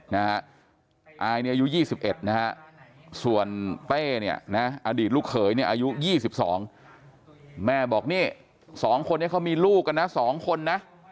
อายอายอายุ๒๑นะส่วนเต้อดีตลูกเคยอายุ๒๒แม่บอกนี่๒คนนี้เขามีลูก๒คนนะ